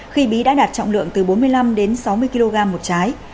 khi bí đã đạt trọng lượng từ bốn mươi năm đến sáu mươi kg một trái